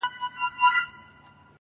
په زلفو کې اوږدې، اوږدې کوڅې د فريادي وې